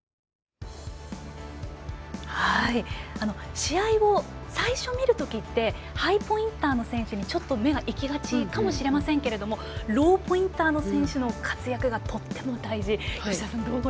試合を最初見るときはハイポインターの選手にちょっと目がいきがちかもしれませんがローポインターの選手の活躍がとても大事。